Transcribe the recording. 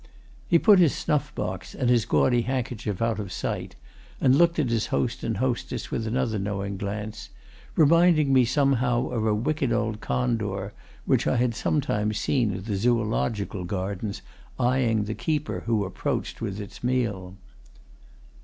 He put his snuff box and his gaudy handkerchief out of sight, and looked at his host and hostess with another knowing glance, reminding me somehow of a wicked old condor which I had sometimes seen at the Zoological Gardens, eyeing the keeper who approached with its meal.